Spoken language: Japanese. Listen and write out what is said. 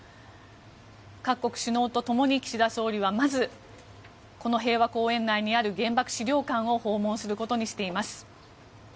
各国首脳とともに岸田総理はまずこの平和公園内にある原爆資料館を訪問することにしています。